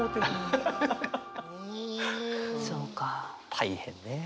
大変ねえ。